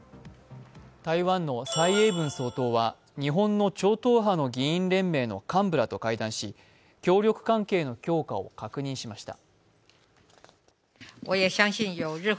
台湾の蔡英文総統は日本の超党派議員連盟の幹部らと会談し協力関係の強化を確認しました。